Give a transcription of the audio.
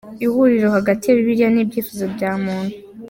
Ihuriro hagati ya Bibiliya n’ibyifuzo bya muntu.